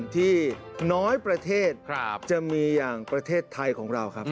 ที่น้อยประเทศจะมีอย่างประเทศไทยของเราครับ